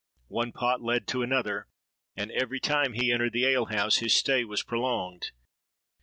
One pot led to another; and every time he entered the ale house, his stay was prolonged.